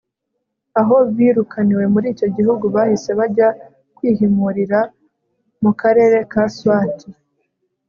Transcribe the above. aho birukaniwe muri icyo gihugu, bahise bajya kwihimurira mu karere ka swati